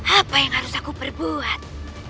apa yang harus aku perbuat